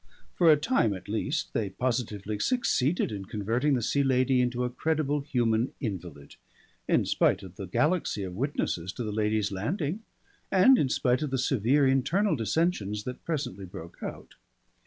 For a time at least they positively succeeded in converting the Sea Lady into a credible human invalid, in spite of the galaxy of witnesses to the lady's landing and in spite of the severe internal dissensions that presently broke out.